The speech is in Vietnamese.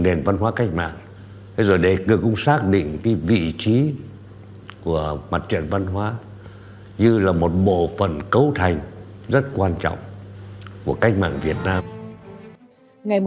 nền văn hóa cách mạng để cương xác định vị trí của mặt trận văn hóa như là một bộ phần cấu thành rất quan trọng của cách mạng việt nam